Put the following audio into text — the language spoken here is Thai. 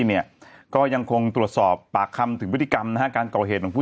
เนี่ยก็ยังคงตรวจสอบปากคำถึงพฤติกรรมนะฮะการก่อเหตุของผู้